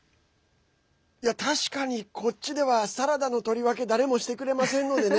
いや確かに、こっちではサラダの取り分け誰もしてくれませんのでね。